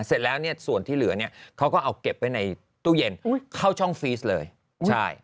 เสร็จแล้วส่วนที่เหลือเขาก็เอาเก็บไปในตู้เย็นเข้าช่องฟรีสเลย